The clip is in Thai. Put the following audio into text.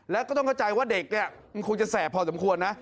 และก็ต้องเข้าใจว่าเด็กคงจะแสบพอสมควรนะ